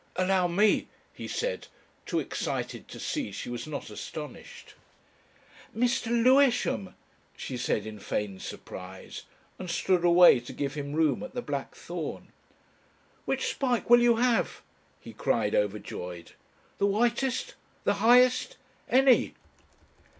"Allow me," he said, too excited to see she was not astonished. "Mr. Lewisham!" she said in feigned surprise, and stood away to give him room at the blackthorn. "Which spike will you have?" he cried, overjoyed. "The whitest? The highest? Any!"